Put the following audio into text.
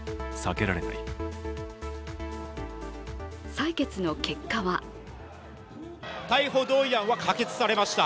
採決の結果は逮捕同意案は可決されました。